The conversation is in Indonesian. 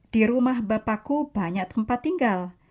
di rumah bapakku banyak tempat tinggal